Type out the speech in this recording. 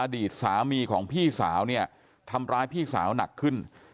อดีตสามีของพี่สาวเนี่ยทำร้ายพี่สาวหนักขึ้น